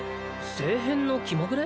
聖変の気まぐれ？